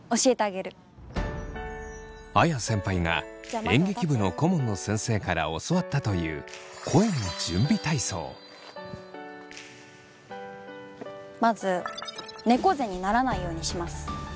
あや先輩が演劇部の顧問の先生から教わったというまず猫背にならないようにします。